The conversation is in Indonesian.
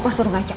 opa suruh ngajak